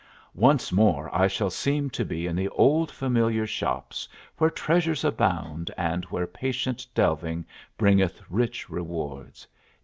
Once more I shall seem to be in the old familiar shops where treasures abound and where patient delving bringeth rich rewards.